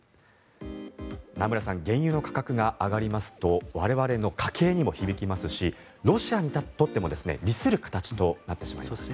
名村さん原油の価格が上がりますと我々の家計にも響きますしロシアにとっても利する形となってしまいます。